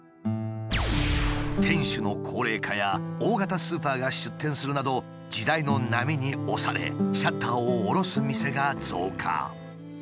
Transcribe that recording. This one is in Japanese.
店主の高齢化や大型スーパーが出店するなど時代の波に押されシャッターをおろす店が増加。